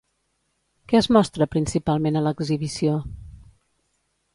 Què es mostra principalment a l'exhibició?